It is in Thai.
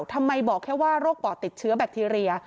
ทำไมบอกแค่ว่าโรคปอดติดเชื้อแบคทีเรีย